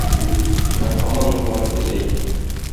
Ай һаман нурланып йөзә икән.